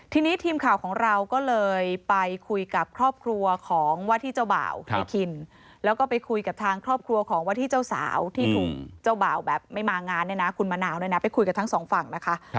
ทีนี้ทีมข่าวของเราก็เลยไปคุยกับครอบครัวของว่าที่เจ้าบ่าวในคินแล้วก็ไปคุยกับทางครอบครัวของว่าที่เจ้าสาวที่ถูกเจ้าบ่าวแบบไม่มางานเนี่ยนะคุณมะนาวด้วยนะไปคุยกับทั้งสองฝั่งนะคะ